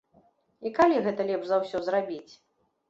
І калі гэта лепш за ўсё зрабіць?